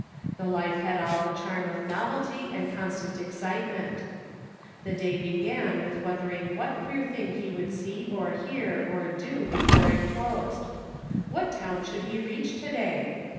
The life had all the charm of novelty and constant excite ment. The day began with wondering what queer thing he would see or hear, or do, before it closed. What town should he reach to day